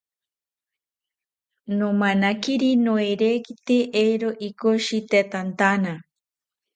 Nomanakiri noerekite eero ikoshitetantana